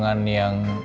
gak ada omongan yang